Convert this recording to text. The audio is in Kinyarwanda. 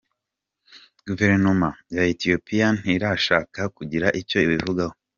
Guverinoma ya Ethopia ntirashaka kugira icyo ibivugaho.